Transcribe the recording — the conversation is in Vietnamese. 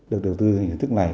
được đầu tư thành hình thức này